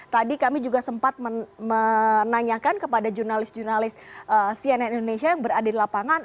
tadi kami juga sempat menanyakan kepada jurnalis jurnalis cnn indonesia yang berada di lapangan